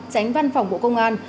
tránh văn phòng bộ công an